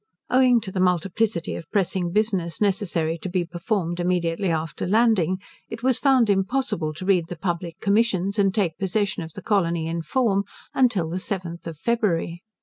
Owing to the multiplicity of pressing business necessary to be performed immediately after landing, it was found impossible to read the public commissions and take possession of the colony in form, until the 7th of February.